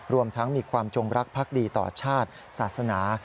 รวมทั้งมีความจงรักภักดีต่อชาติศาสนา